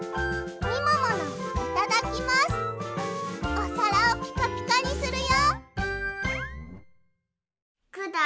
おさらをピカピカにするよ！